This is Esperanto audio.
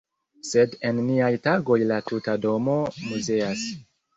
Sed en niaj tagoj la tuta domo muzeas.